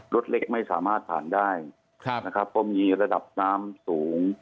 รถเล็กไม่สามารถผ่านได้นะครับเพราะมีระดับน้ำสูง